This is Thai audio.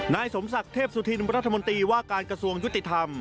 นายสมศักดิ์เทพสุธินรัฐมนตรีว่าการกระทรวงยุติธรรม